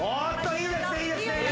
いいですねいいですね。